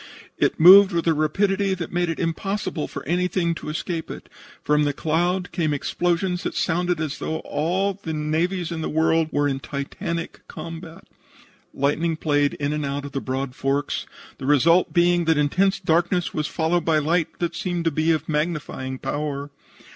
It moved with a rapidity that made it impossible for anything to escape it. From the cloud came explosions that sounded as though all of the navies of the world were in titanic combat. Lightning played in and out in broad forks, the result being that intense darkness was followed by light that seemed to be of magnifying power.